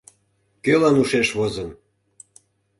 Кӧлан ушеш возын?